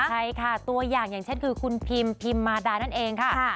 ใช่ค่ะตัวอย่างอย่างเช่นคือคุณพิมพิมมาดานั่นเองค่ะ